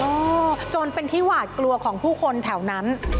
จนเป็นที่หวาดกลัวของผู้คนแถวนั้น